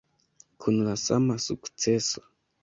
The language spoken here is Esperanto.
Kun la sama sukceso.